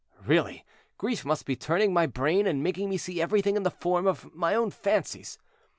Really, grief must be turning my brain and making me see everything in the form of my own fancies."